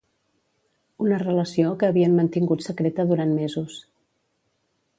Una relació que havien mantingut secreta durant mesos.